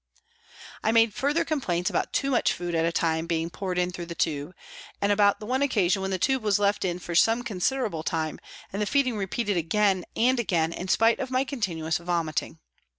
I made further complaints about too much food at a time being poured in through the tube, and about the one occasion when the tube was left in for some considerable time and the feeding repeated again and again, in spite of my continuous vomiting.